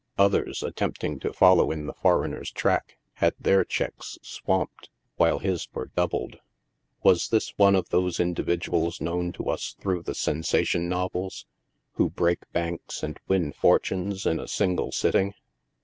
Others, attempting to follow in the foreigner's track, had their checks swamped, while his were doubled. "Was this one of those individuals known to us through the sensa tion novels, who breaks banks and wins fortunes in a single sitting